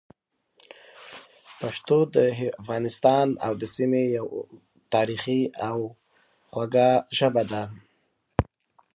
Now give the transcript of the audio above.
ظاهرشاه د قومي مشرانو په مشوره د ملي اصلاحاتو او پرمختګ لپاره پریکړې وکړې.